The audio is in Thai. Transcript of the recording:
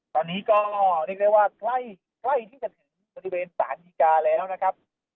ตอนนี้ก็เรียกได้ว่าใกล้ที่จะถึงบริเวณสารดีกาแล้วนะครับ